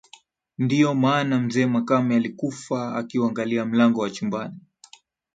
Ndiyo maana mzee Makame alikufa akiuangalia mlango wa chumbani